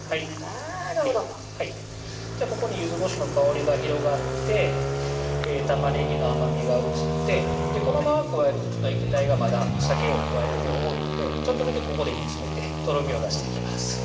なるほどここに柚子こしょうの香りが広がって玉ねぎの甘みが移ってこのまま加えると液体がまださけを加えるには多いのでちょっとだけここで煮詰めてとろみを出していきます